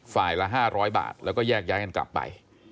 ละ๕๐๐บาทแล้วก็แยกย้ายกันกลับไป